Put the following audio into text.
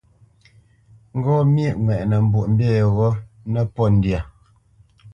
Ŋgó myéʼ ŋwɛʼnə Mbwoʼmbî yeghó nə́pōt ndyâ.